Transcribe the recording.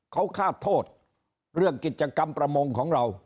เขาฆาตโทษเรื่องกิจกรรมประมงของเรา